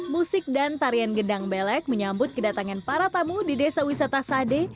musik dan tarian gedang belek menyambut kedatangan para tamu di desa wisata sade